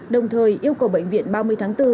đồng thời yêu cầu bệnh viện ba mươi tháng bốn